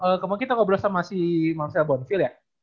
gue kan kemungkinan ngobrol sama si marcel bonfil ya